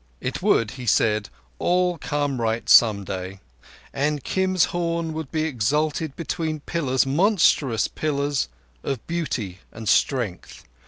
It would, he said, all come right some day, and Kim's horn would be exalted between pillars—monstrous pillars—of beauty and strength.